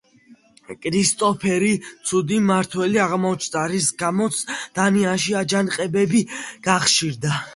კრისტოფერი ცუდი მმართველი აღმოჩნდა, რის გამოც დანიაში აჯანყებები გახშირდა.